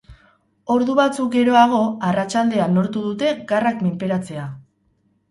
Ordu batzuk geroago, arratsaldean lortu dute garrak menperatzea.